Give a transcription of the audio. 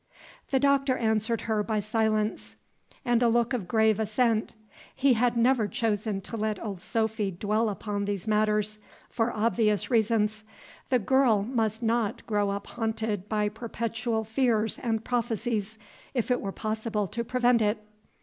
The Doctor answered her by silence and a look of grave assent. He had never chosen to let old Sophy dwell upon these matters, for obvious reasons. The girl must not grow up haunted by perpetual fears and prophecies, if it were possible to prevent it.